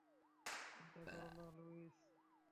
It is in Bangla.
চিন্তা করো না লুইস।